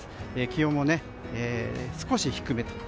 気温も少し低めと。